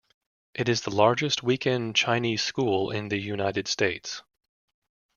It is the largest weekend Chinese school in the United States.